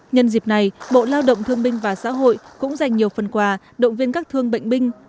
nhân dịp này bộ lao động thương binh và xã hội cũng dành nhiều phần quà động viên các thương bệnh binh